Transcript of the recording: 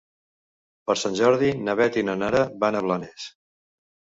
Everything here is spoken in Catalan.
Per Sant Jordi na Beth i na Nara van a Blanes.